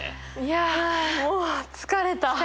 いやもう疲れた！